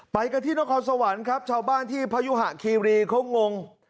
ไปกันที่นครสวรรค์ครับชาวบ้านที่พยุหะคีรีเขางง